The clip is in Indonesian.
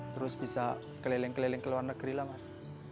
terus bisa keliling keliling ke luar negeri lah mas